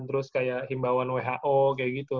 terus kayak himbauan who kayak gitu